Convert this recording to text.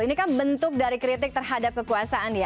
ini kan bentuk dari kritik terhadap kekuasaan ya